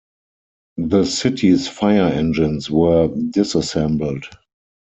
The city's fire-engines were disassembled.